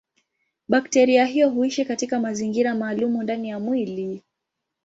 Bakteria hiyo huishi katika mazingira maalumu ndani ya mwili.